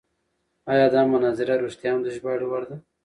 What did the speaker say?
ایا دا مناظره رښتیا هم د ژباړې وړ ده؟